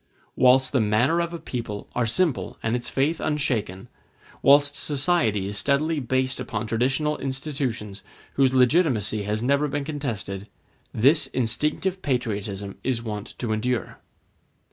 Whilst the manners of a people are simple and its faith unshaken, whilst society is steadily based upon traditional institutions whose legitimacy has never been contested, this instinctive patriotism is wont to endure.